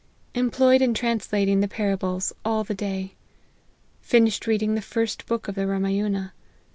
Employed in translating the para bles, all the day. Finished reading the first book of the Ramayuna.